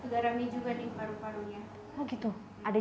harus dirawat nih dok